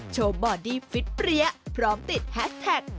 บอดี้ฟิตเปรี้ยพร้อมติดแฮสแท็ก